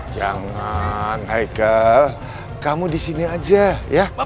jangan hicle kamu di sini aja ya